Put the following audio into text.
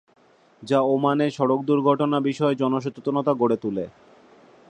যা ওমানে সড়ক দুর্ঘটনা বিষয় জনসচেতনতা গড়ে তুলে।